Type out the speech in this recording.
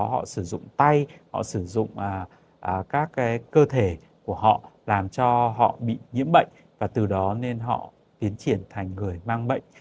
họ sử dụng tay họ sử dụng các cơ thể của họ làm cho họ bị nhiễm bệnh và từ đó nên họ tiến triển thành người mang bệnh